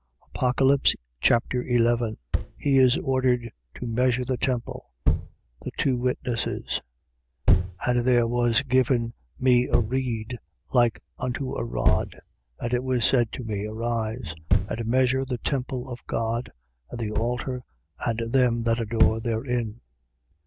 Apocalypse Chapter 11 He is ordered to measure the temple. The two witnesses. 11:1. And there was given me a reed, like unto a rod. And it was said to me: Arise, and measure the temple of God and the altar and them that adore therein.